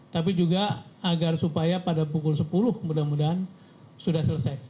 tapi juga agar supaya pada pukul sepuluh mudah mudahan sudah selesai